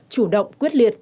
chủ động quyết liệt